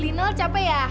lino capek ya